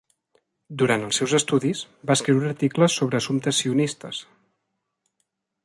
Durant els seus estudis, va escriure articles sobre assumptes sionistes.